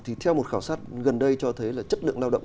thì theo một khảo sát gần đây cho thấy là chất lượng lao động